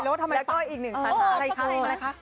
แล้วก็อีกหนึ่งคาถา